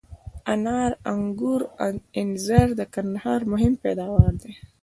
انار، آنګور او انځر د کندهار مهم پیداوار دي.